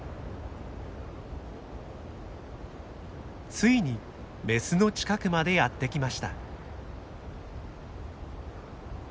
ついにメスの近くまでやって来ました。